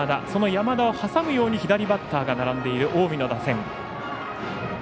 その山田を挟むように左バッターが並んでいる近江の打線。